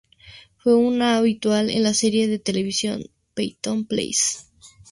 Fue una habitual en la serie de televisión "Peyton Place".